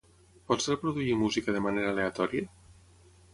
Pots reproduir música de manera aleatòria?